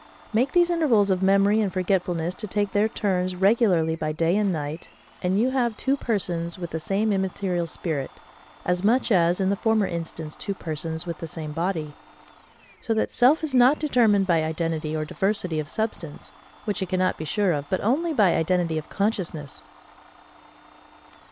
Make these intervals of memory and forgetfulness to take their turns regularly by day and night, and you have two persons with the same immaterial spirit, as much as in the former instance two persons with the same body. So that self is not determined by identity or diversity of substance, which it cannot be sure of, but only by identity of consciousness.